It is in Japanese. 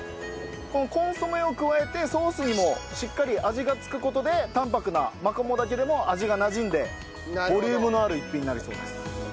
コンソメを加えてソースにもしっかり味が付く事で淡泊なマコモダケでも味がなじんでボリュームのある一品になるそうです。